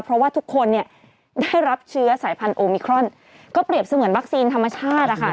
เพราะว่าทุกคนเนี่ยได้รับเชื้อสายพันธุมิครอนก็เปรียบเสมือนวัคซีนธรรมชาตินะคะ